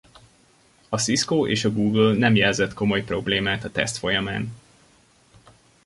A Cisco és a Google nem jelzett komoly problémát a teszt folyamán.